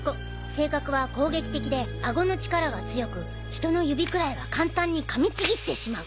性格は攻撃的で顎の力が強く人の指くらいは簡単に噛みちぎってしまう。